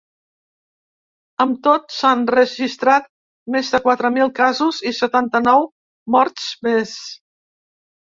Amb tot, s’han registrat més de quatre mil casos i setanta-nou morts més.